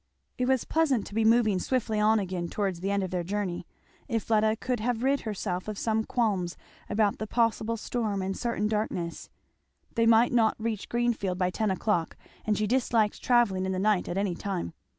It was pleasant to be moving swiftly on again towards the end of their journey, if Fleda could have rid herself of some qualms about the possible storm and the certain darkness; they might not reach Greenfield by ten o'clock; and she disliked travelling in the night at any time.